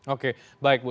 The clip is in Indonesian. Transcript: oke baik bu